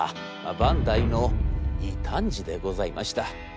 バンダイの異端児でございました。